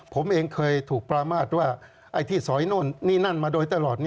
ผมเองเคยถูกประมาทว่าไอ้ที่สอยโน่นนี่นั่นมาโดยตลอด